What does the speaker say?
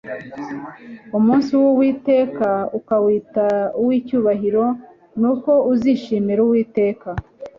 umunsi w'Uwiteka ukawita uw'icyubahiro... nuko uzishimira Uwiteka."